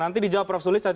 nanti dijawab prof sulis